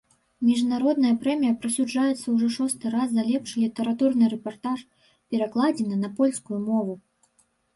Міжнародная прэмія прысуджаецца ўжо шосты раз за лепшы літаратурны рэпартаж, перакладзены на польскую мову.